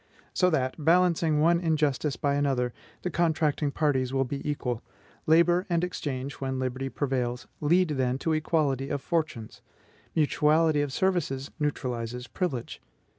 So that, balancing one injustice by another, the contracting parties will be equal. Labor and exchange, when liberty prevails, lead, then, to equality of fortunes; mutuality of services neutralizes privilege.